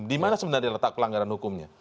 di mana sebenarnya letak pelanggaran hukumnya